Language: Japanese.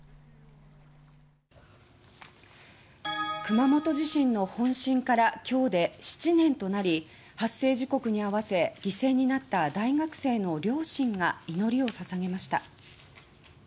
熊本地震の本震から今日で７年となり発生時刻に合わせ犠牲になった大学生の両親が祈りを捧げました。